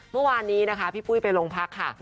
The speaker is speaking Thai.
เมื่อวานี้พี่ปุ๊ยไปลงพักค่ะ